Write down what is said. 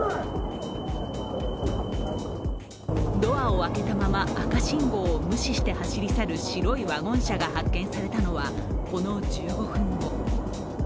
ドアを開けたまま、赤信号を無視しして走り去る白いワゴン車が発見されたのはこの１５分後。